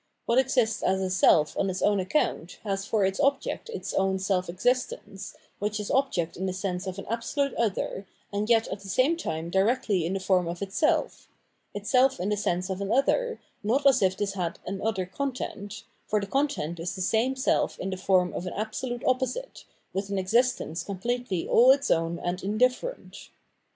What exists as a self on its own account has for its object its own self existence, which is object in the sense of an absolute other, and yet at the same time directly in the form of itself — itself in the sense of an other, not as if this had an other content, for the content is the same self in the form of an absolute opposite, with an existence completely all its own and indifierent.